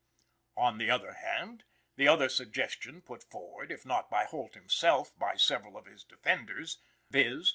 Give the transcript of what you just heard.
On the other hand, the other suggestion put forward, if not by Holt himself; by several of his defenders, viz.